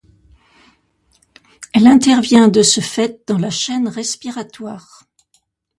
Elle intervient de ce fait dans la chaîne respiratoire.